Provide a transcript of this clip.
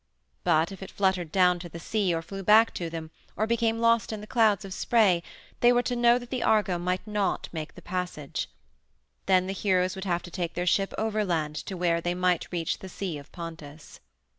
But if it fluttered down to the sea, or flew back to them, or became lost in the clouds of spray, they were to know that the Argo might not make that passage. Then the heroes would have to take their ship overland to where they might reach the Sea of Pontus.